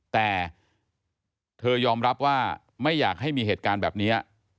แต่เธอยอมรับว่าไม่อยากให้มีเหตุการณ์แบบนี้